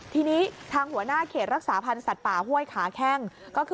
ทีนี้ทางหัวหน้าเขตรักษาพันธ์สัตว์ป่าห้วยขาแข้งก็คือ